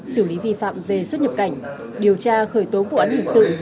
xử lý vi phạm về xuất nhập cảnh điều tra khởi tố vụ án hình sự